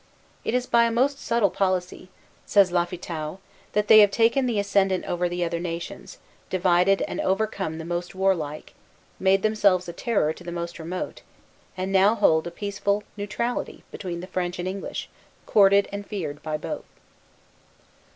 "It is by a most subtle policy," says Lafitau, "that they have taken the ascendant over the other nations, divided and overcome the most warlike, made themselves a terror to the most remote, and now hold a peaceful neutrality between the French and English, courted and feared by both."